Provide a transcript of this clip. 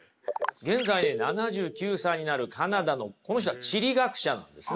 現在７９歳になるカナダのこの人は地理学者なんですね。